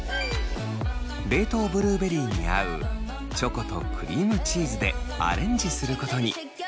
冷凍ブルーベリーに合うチョコとクリームチーズでアレンジすることに。